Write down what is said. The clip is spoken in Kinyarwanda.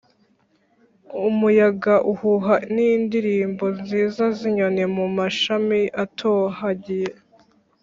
Umuyaga uhuha n’indirimbo nziza z’inyoni mu mashami atohagiye,